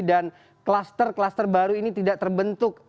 dan kluster kluster baru ini tidak terbentuk